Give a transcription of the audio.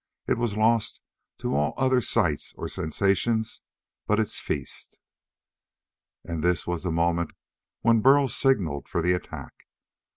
It was lost to all other sights or sensations but its feast. And this was the moment when Burl signalled for the attack.